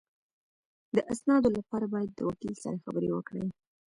د اسنادو لپاره باید د وکیل سره خبرې وکړې